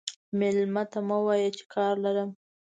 مېلمه ته مه وایه چې کار لرم.